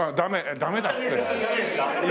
ダメだっつってる。